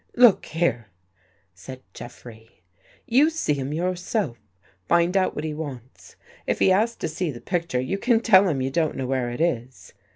" Look here I " said Jeffrey. " You see him your self. Find out what he wants. If he asks to see the picture, you can tell him you don't know where it is.